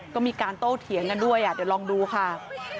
ก็มีการโต้เถียงกันด้วยเดี๋ยวลองดูค่ะ